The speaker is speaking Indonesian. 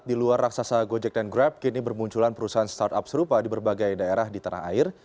di luar raksasa gojek dan grab kini bermunculan perusahaan startup serupa di berbagai daerah di tanah air